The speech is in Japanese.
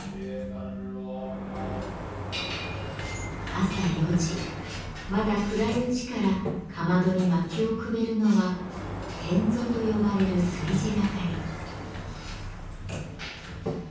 朝４時まだ暗いうちからかまどに薪をくべるのは「典座」と呼ばれる炊事係。